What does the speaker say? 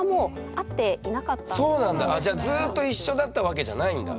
あっじゃあずっと一緒だったわけじゃないんだ。